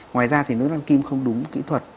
ngoài ra thì nếu năn kim không đúng kỹ thuật